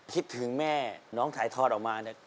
คิดถึงแม่น้องถ่ายทอดออกมาเนี่ย